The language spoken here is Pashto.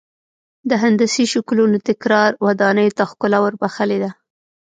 د هندسي شکلونو تکرار ودانیو ته ښکلا ور بخښلې ده.